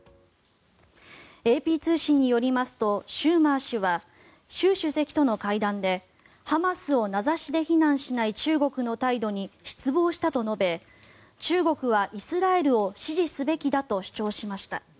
ＡＰ通信によりますとシューマー氏は習主席との会談でハマスを名指しで非難しない中国の態度に失望したと述べ中国はイスラエルを支持すべきだと主張しました。